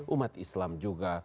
umat islam juga